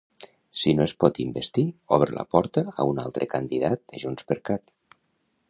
Si no es pot investir, obre la porta a un altre candidat de JxCat.